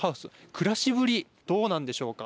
暮らしぶりどうなんでしょうか。